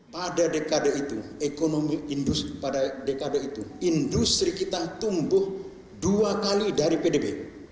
pada dekade itu industri kita tumbuh dua kali dari pdb